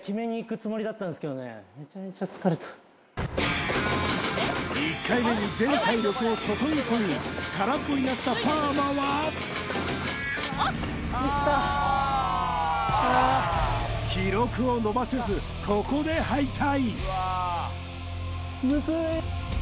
めちゃめちゃ疲れた１回目に全体力を注ぎ込み空っぽになったパーマはミスった記録を伸ばせずここで敗退